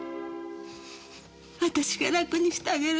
私が楽にしてあげる。